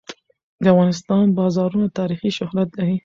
د افغانستان بازارونه تاریخي شهرت لري.